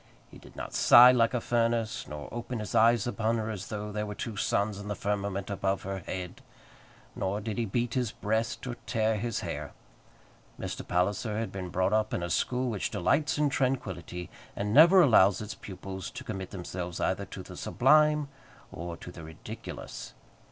He did not sigh like a furnace, nor open his eyes upon her as though there were two suns in the firmament above her head, nor did he beat his breast or tear his hair. Mr. Palliser had been brought up in a school which delights in tranquillity, and never allows its pupils to commit themselves either to the sublime or to the ridiculous.